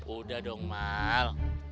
udah dong mal